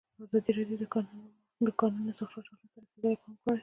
ازادي راډیو د د کانونو استخراج حالت ته رسېدلي پام کړی.